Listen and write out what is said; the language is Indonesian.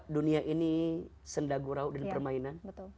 dunia ini senda gurau dan permainan